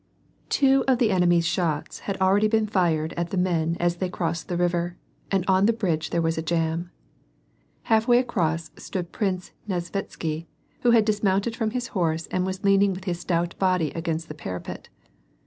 Two of the enemy's shots had already been fired at the men as they crossed the river, and on the bridge there was a jam. Half way across stood Prince Nesvitsky, who had dismounted from his horse and was leaning with his stout body against the parapet.